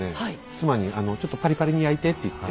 妻に「ちょっとパリパリに焼いて」って言って。